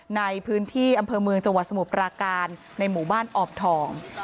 ในพื้นที่อำเภอเมืองจังหวัดสมุทรปราการในหมู่บ้านออบทอง